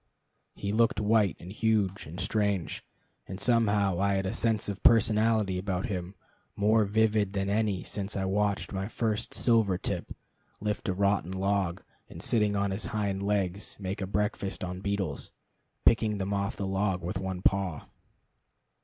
He looked white, and huge, and strange; and somehow I had a sense of personality about him more vivid than any since I watched my first silver tip lift a rotten log, and, sitting on his hind legs, make a breakfast on beetles, picking them off the log with one paw.